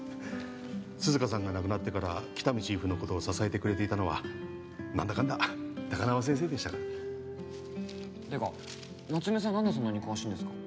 涼香さんが亡くなってから喜多見チーフのことを支えてくれていたのは何だかんだ高輪先生でしたからていうか夏梅さん何でそんなに詳しいんですか？